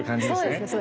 そうですね。